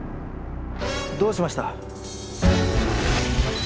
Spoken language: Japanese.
どうしました？